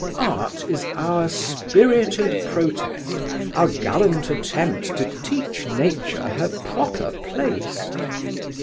Art is our spirited protest, our gallant attempt to teach Nature her proper place.